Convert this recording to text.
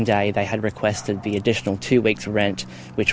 dan pada hari berikutnya mereka meminta uang pembayaran tambahan dua minggu